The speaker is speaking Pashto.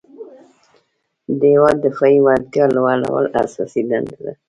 د هیواد دفاعي وړتیا لوړول اساسي دنده ده.